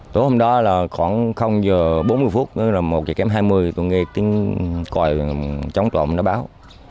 tối hôm đó là khoảng giờ bốn mươi phút một giờ kém hai mươi tôi nghe tiếng còi chống trộm nó báo